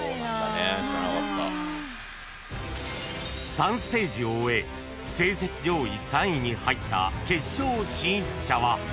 ［３ステージを終え成績上位３位に入った決勝進出者は］